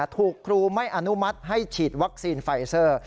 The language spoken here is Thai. ถูกครูไม่อนุมัติให้ฉีดวัคซีนไฟเซอร์